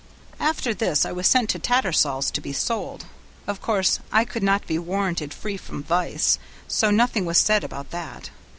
"After this I was sent to Tattersall's to be sold; of course I could not be warranted free from vice, so nothing was said about that.